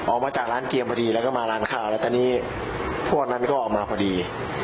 ออกมาจากร้านเกียร์พอดีแล้วก็มาร้านข้าวแล้วตอนนี้พวกนั้นก็ออกมาพอดี